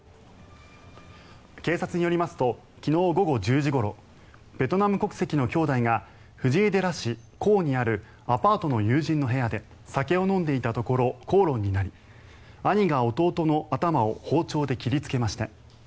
警察によりますと昨日午後１０時ごろベトナム国籍の兄弟が藤井寺市国府にあるアパートの友人の部屋で酒を飲んでいたところ口論になり、兄が弟の頭を包丁で切りつけました。